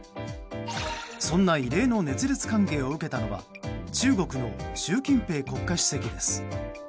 そんな異例の熱烈歓迎を受けたのは中国の習近平国家主席です。